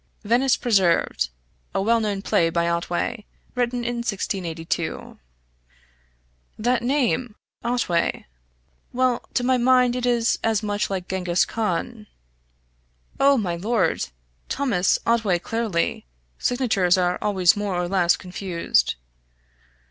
{Venice Preserved = a well known play by Otway, written in 1682} "That name, Otway? Well, to my mind it is as much like Genghis Khan." "Oh, my lord! Thomas Otway clearly signatures are always more or less confused.